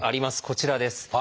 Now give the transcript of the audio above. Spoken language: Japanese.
こちらです。